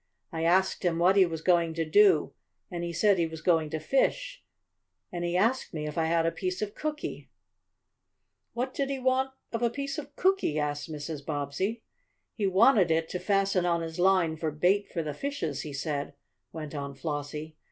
I asked him what he was going to do, and he said he was going to fish, and he asked me if I had a piece of cookie." "What did he want of a piece of cookie?" asked Mrs. Bobbsey. "He wanted it to fasten on his line for bait for the fishes, he said," went on Flossie.